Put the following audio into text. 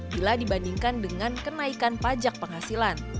bila dibandingkan dengan kenaikan pajak penghasilan